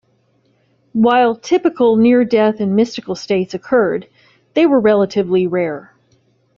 While 'typical' near-death and mystical states occurred, they were relatively rare.